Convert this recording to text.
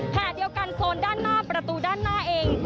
ขณะเดียวกันโซนด้านหน้าประตูด้านหน้าเอง